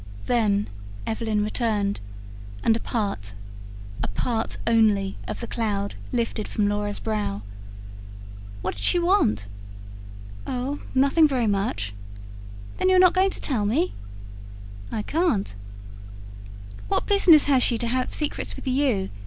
Then Evelyn returned, and a part, a part only of the cloud lifted from Laura's brow. "What did she want?" "Oh, nothing much." "Then you're not going to tell me?" I can't. "What business has she to have secrets with you?"